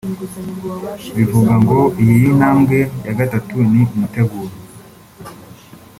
Bivuga ngo iyi ntambwe ya gatatu ni umuteguro